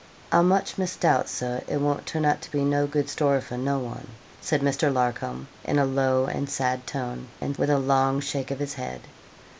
'I much misdoubt, Sir, it won't turn out to be no good story for no one,' said Mr. Larcom, in a low and sad tone, and with a long shake of his head.